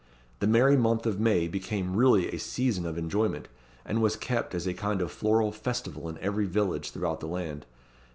The merry month of May became really a season of enjoyment, and was kept as a kind of floral festival in every village throughout the land.